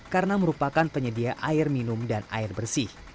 karena merupakan penyedia air minum dan air bersih